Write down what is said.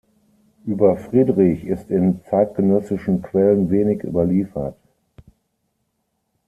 Über Friedrich ist in zeitgenössischen Quellen wenig überliefert.